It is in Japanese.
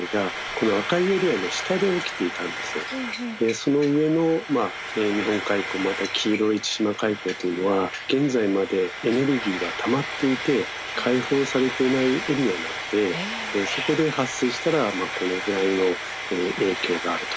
その上の日本海溝また黄色い千島海溝というのは現在までエネルギーがたまっていて解放されていないエリアなんでそこで発生したらこのぐらいの影響があると。